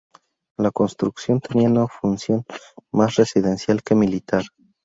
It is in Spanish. La construcción tenía una función más residencial que militar.